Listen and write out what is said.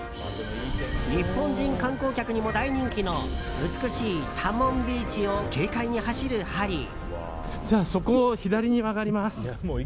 日本人観光客にも大人気の美しいタモンビーチを軽快に走るハリー。